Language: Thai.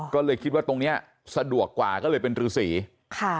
ก็เลยคิดว่าตรงเนี้ยสะดวกกว่าก็เลยเป็นรือสีค่ะ